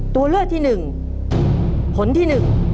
ตัวเลือดที่๑ผลที่๑